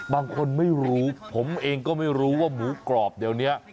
บางคนไม่รู้ผมเองก็ไม่รู้ว่าหมูกรอบเดี๋ยวนี้